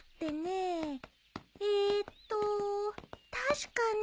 えーっと確かね。